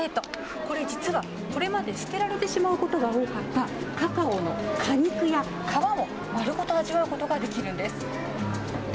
これ、実はこれまで捨てられてしまうことが多かったカカオの果肉や皮を丸ごと味わうことができるんです。